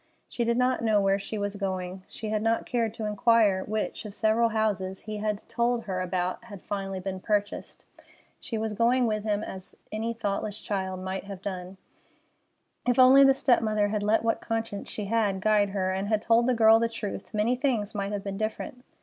She did not know where she was going. She had not cared to inquire which of several houses he had told her about had finally been purchased. She was going with him as any thoughtless child might have gone. If only the step mother had let what conscience she had guide her, and had told the girl the truth, many things might have been different.